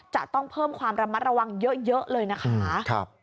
จะต้องเพิ่มความระมัดระวังเยอะเลยนะคะ